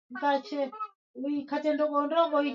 mwanariadha huyo alikataa mapendekezo ya madaktari